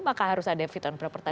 maka harus ada fit and proper test